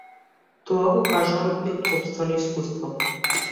Тоа го кажувам и од сопствено искуство.